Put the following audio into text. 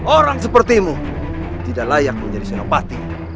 orang sepertimu tidak layak menjadi sinopati